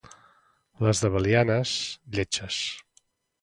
Les de Belianes, lletges.